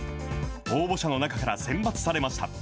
応募者の中から選抜されました。